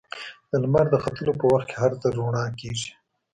د لمر د ختلو په وخت کې هر څه رڼا کېږي.